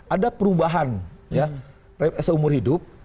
ada perubahan seumur hidup